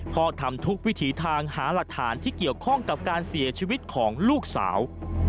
ทำทุกวิถีทางหาหลักฐานที่เกี่ยวข้องกับการเสียชีวิตของลูกสาว